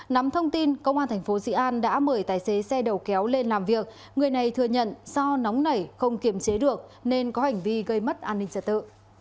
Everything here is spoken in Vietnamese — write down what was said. nắm thông tin công an tp xị an đã mời tài xế xe đầu kéo lên làm việc người này thừa nhận do nóng nảy không kiềm chế được nên có hành vi gây mất an ninh trật tự